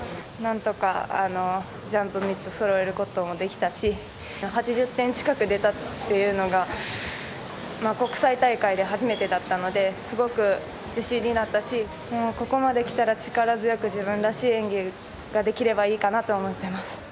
なんとかジャンプ３つそろえることもできたし、８０点近く出たっていうのが、国際大会で初めてだったので、すごく自信になったし、ここまできたら力強く自分らしい演技ができればいいかなと思ってます。